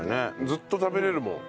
ずっと食べれるもん。